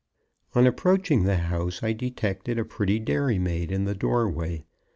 On approaching the house, I detected a pretty dairymaid in the doorway.